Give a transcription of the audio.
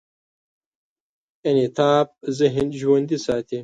انعطاف ذهن ژوندي ساتي.